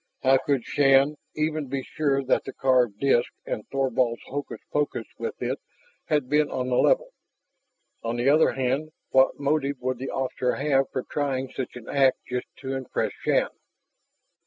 How could Shann even be sure that that carved disk and Thorvald's hokus pokus with it had been on the level? On the other hand what motive would the officer have for trying such an act just to impress Shann?